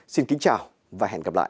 xin kính chào và hẹn gặp lại